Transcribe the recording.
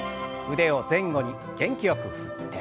腕を前後に元気よく振って。